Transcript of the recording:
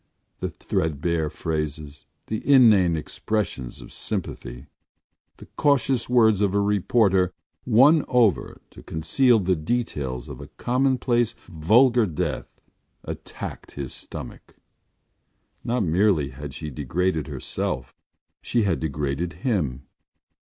The threadbare phrases, the inane expressions of sympathy, the cautious words of a reporter won over to conceal the details of a commonplace vulgar death attacked his stomach. Not merely had she degraded herself; she had degraded him.